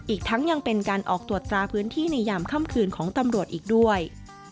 อีกทั้งยังเป็นการออกตรวจตราพื้นที่ในยามค่ำคืนของตำรวจอีกด้วย